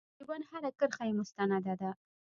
تقریبا هره کرښه یې مستنده ده.